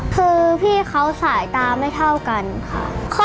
คือพี่เขาสายตาไม่เท่ากันค่ะ